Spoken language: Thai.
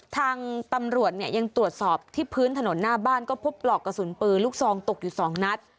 ทางตำรวจเนี่ยยังตรวจสอบที่พื้นถนนหน้าบ้านก็พบปลอกกระสุนปืนลูกซองตกอยู่๒นัด